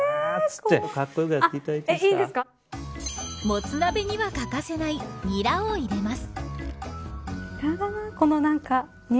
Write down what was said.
もつ鍋には欠かせないニラを入れます。